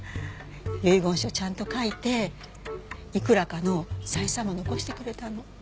遺言書ちゃんと書いていくらかの財産も残してくれたの。